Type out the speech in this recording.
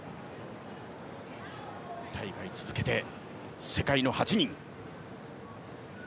２大会続けて世界の８人。